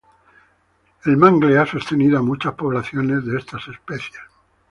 El mangle ha sostenido a muchas poblaciones de estas especies.